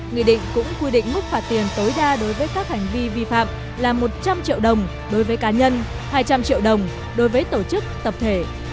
nghị định cũng quy định mức phạt tiền tối đa đối với các hành vi vi phạm là một trăm linh triệu đồng đối với cá nhân hai trăm linh triệu đồng đối với tổ chức tập thể